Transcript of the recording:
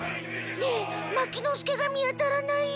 ねえ牧之介が見当たらないよ。